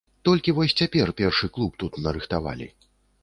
Толькі вось цяпер першы клуб тут нарыхтавалі.